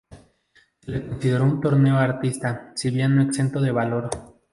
Se le consideró un torero artista, si bien no exento de valor.